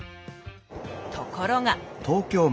ところが！